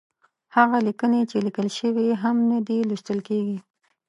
هغه ليکنې چې ليکل شوې هم نه دي، لوستل کېږي.